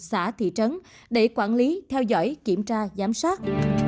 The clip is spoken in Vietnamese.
xã thị trấn để quản lý theo dõi kiểm tra giám sát